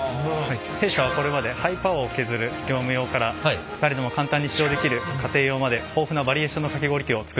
弊社はこれまでハイパワーで削る業務用から誰でも簡単に使用できる家庭用まで豊富なバリエーションのかき氷機を作ってまいりました。